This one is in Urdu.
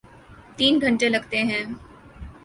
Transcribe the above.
تین گھنٹے لگتے ہیں۔